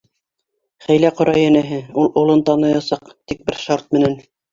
Хәйлә ҡора, йәнәһе, ул улын таныясаҡ, тик бер шарт менән.